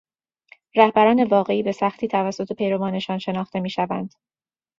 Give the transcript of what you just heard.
رهبران واقعی به سختی توسط پیروانشان شناخته میشوند